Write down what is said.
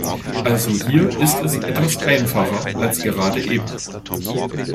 Also hier ist es etwas einfacher als gerade eben.